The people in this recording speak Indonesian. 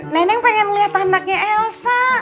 neneng pengen lihat anaknya elsa